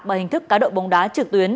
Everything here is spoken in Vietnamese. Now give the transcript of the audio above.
bằng hình thức cá độ bóng đá trực tuyến